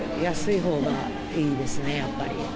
安いほうがいいですね、やっぱり。